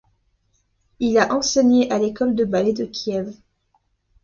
Il a enseigné à l'école de ballet de Kiev.